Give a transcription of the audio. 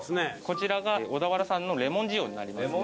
こちらが小田原産のレモン塩になりますね。